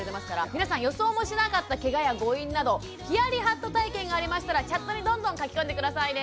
皆さん予想もしなかったケガや誤飲などヒヤリハット体験がありましたらチャットにどんどん書き込んで下さいね。